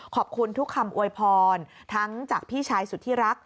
ขอบคุณทุกคำอวยพรทั้งจากพี่ชายสุดที่รัก